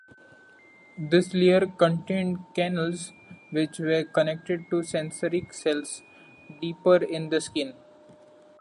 This layer contained canals which were connected to sensory cells deeper in the skin.